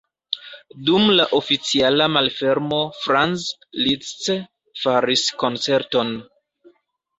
Dum la oficiala malfermo Franz Liszt faris koncerton.